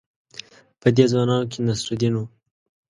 په دې ځوانانو کې نصرالدین وو.